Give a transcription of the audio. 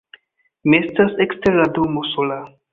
Mi estas ekster la domo, sola.